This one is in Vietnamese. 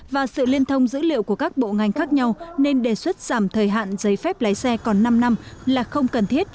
và sự liên thông dữ liệu của các bộ ngành khác nhau nên đề xuất giảm thời hạn giấy phép lái xe còn năm năm là không cần thiết